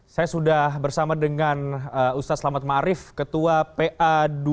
saya sudah bersama dengan ustaz selamat ma'arif ketua pa dua ratus dua belas